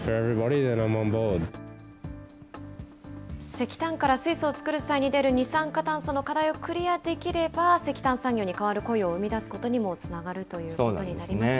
石炭から水素を作る際に出る二酸化炭素の課題をクリアできれば、石炭産業にかわる雇用を生み出すことにもつながるということにな